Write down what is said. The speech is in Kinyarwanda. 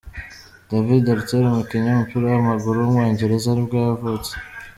David Artell, umukinnyi w’umupira w’amaguru w’umwongereza nibwo yavutse.